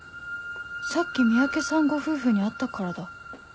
さっき三宅さんご夫婦に会ったからだ